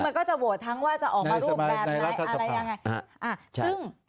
มันจะโหวตทั้งว่าจะออกมาร่วมแบบอะไรยังไง